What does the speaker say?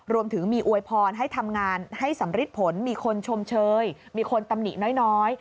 รวมถึงมีอวยพรให้ทำงานให้สำริดผลมีคนชมเชยมีคนตำหนิน้อย